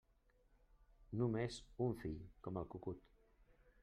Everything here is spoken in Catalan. Només un fill, com el cucut.